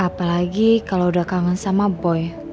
apalagi kalau udah kangen sama boy